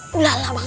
gua kesukaan dah